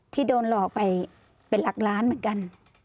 ที่โดนหลอกไปเป็นหลักล้านเหมือนกัน